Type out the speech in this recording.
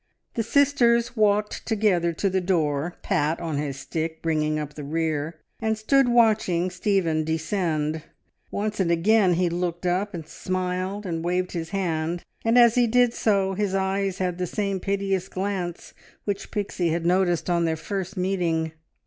The sisters walked together to the door, Pat, on his stick, bringing up the rear, and stood watching Stephen descend. Once and again he looked up, smiled, and waved his hand, and as he did so his eyes had the same piteous glance which Pixie had noticed on their first meeting.